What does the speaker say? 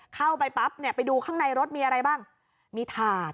เข้าไปปั๊บเนี่ยไปดูข้างในรถมีอะไรบ้างมีถาด